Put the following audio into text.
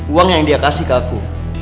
uang yang dia kasih ke aku